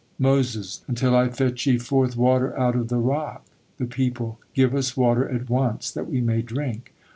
Moses: "Until I fetch ye forth water out of the rock." The people: "Give us water at once, that we may drink."